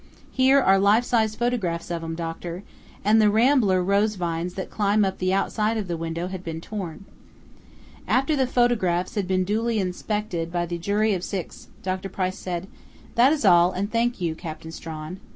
Here are life size photographs of 'em, doctor.... And the rambler rose vines that climb up the outside of the window had been torn." After the photographs had been duly inspected by the jury of six Dr. Price said: "That is all, and thank you, Captain Strawn.... Mr.